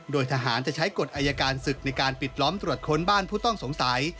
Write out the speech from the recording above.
โดยทหารจะใช้กฎอายการศึกในการปิดล้อมตรวจค้นบ้านผู้ต้องสงสัย